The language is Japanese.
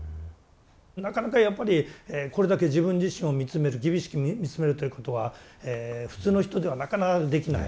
なかなかやっぱりこれだけ自分自身を見つめる厳しく見つめるということは普通の人ではなかなかできない。